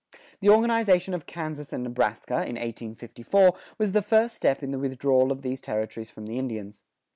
The organization of Kansas and Nebraska, in 1854, was the first step in the withdrawal of these territories from the Indians.